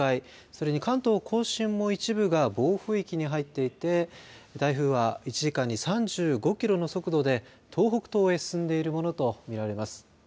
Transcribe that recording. それに関東甲信も一部が暴風域に入っていて台風は１時間に３５キロの速度で東北東へ進んでいるものと見られます。